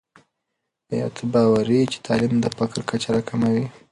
آیا ته باوري یې چې تعلیم د فقر کچه راکموي؟